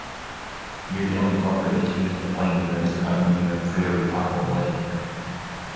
Near the unincorporated community of Pioneer is the Pioneer Prairie Pothole Wildlife Area.